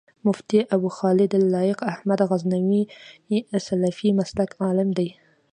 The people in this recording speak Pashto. مفتي ابوخالد لائق احمد غزنوي سلفي مسلک عالم دی